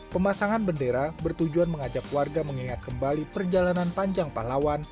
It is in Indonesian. pemasangan bendera bertujuan mengajak warga mengingat kembali perjalanan panjang pahlawan